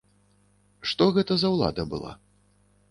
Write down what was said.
Што гэта за ўлада была?